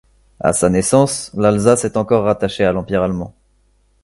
À sa naissance, l'Alsace est encore rattachée à l'Empire allemand.